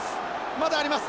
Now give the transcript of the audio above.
まだあります。